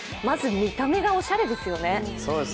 まず見た目がおしゃれですよね。